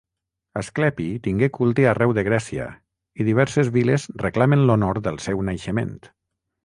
Asclepi tingué culte arreu de Grècia i diverses viles reclamen l'honor del seu naixement.